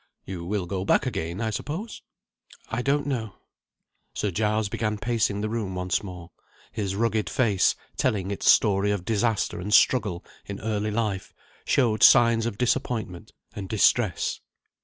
"You will go back again, I suppose?" "I don't know." Sir Giles began pacing the room once more. His rugged face, telling its story of disaster and struggle in early life, showed signs of disappointment and distress.